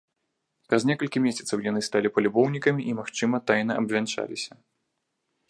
Праз некалькі месяцаў яны сталі палюбоўнікамі і, магчыма, тайна абвянчаліся.